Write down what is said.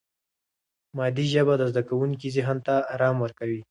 مادي ژبه د زده کوونکي ذهن ته آرام ورکوي.